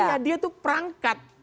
iya dia itu perangkat